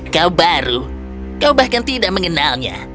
kau baru kau bahkan tidak mengenalnya